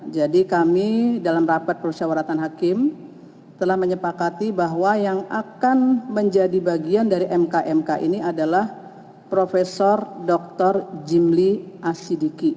jadi kami dalam rapat perusahaan waratan hakim telah menyepakati bahwa yang akan menjadi bagian dari mk mk ini adalah profesor dr jimli asyidiki